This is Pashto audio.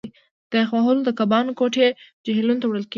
د یخ وهلو د کبانو کوټې جهیلونو ته وړل کیږي